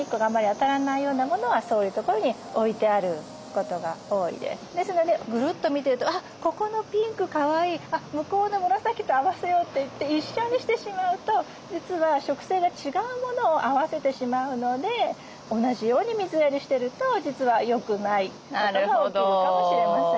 それはやっぱり日陰ですのでぐるっと見てると「あっここのピンクかわいい」「向こうの紫と合わせよう」といって一緒にしてしまうと実は植生が違うものを合わせてしまうので同じように水やりしてると実はよくないってことが起きるかもしれません。